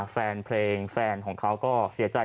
แฟนเพลงแฟนของเขาก็เสียใจ